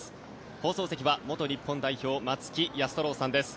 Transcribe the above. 放送席は元日本代表松木安太郎さんです。